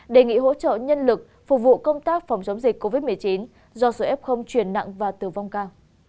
đề nghị hỗ trợ nhân lực phục vụ công tác phòng chống dịch covid một mươi chín do sự f truyền nặng và tử vong cao